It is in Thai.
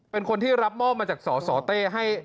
เป็นคนที่รับมอบมาจากสสเต้ให้